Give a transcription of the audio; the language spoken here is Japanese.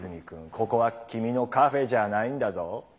ここは君のカフェじゃあないんだぞ。